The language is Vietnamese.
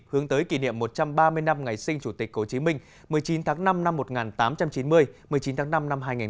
hướng tới kỷ niệm một trăm ba mươi năm ngày sinh chủ tịch hồ chí minh một mươi chín tháng năm năm một nghìn tám trăm chín mươi một mươi chín tháng năm năm hai nghìn hai mươi